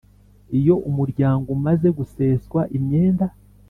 Iyo umuryango umaze guseswa imyenda